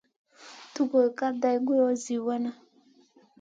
Tugor ka day guloʼo zi wana.